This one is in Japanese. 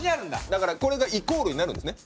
だからこれがイコールになるんですね？